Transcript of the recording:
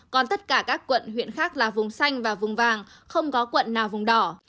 còn tất cả các quận huyện khác là vùng xanh và vùng vàng không có quận nào vùng đỏ